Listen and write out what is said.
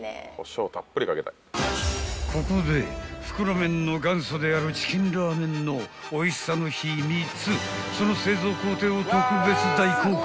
［ここで袋麺の元祖であるチキンラーメンのおいしさの秘密その製造工程を特別大公開］